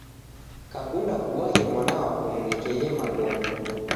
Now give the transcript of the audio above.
Kakunda kubwaghe mwana wako mnekeghe magome.